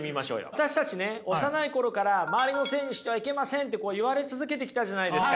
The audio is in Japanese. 私たちね幼い頃から周りのせいにしてはいけませんって言われ続けてきたじゃないですか？